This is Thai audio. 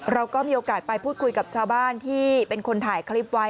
เราก็มีโอกาสไปพูดคุยกับชาวบ้านที่เป็นคนถ่ายคลิปไว้